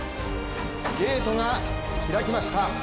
ゲートが開きました。